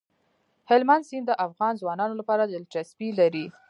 هلمند سیند د افغان ځوانانو لپاره دلچسپي لري.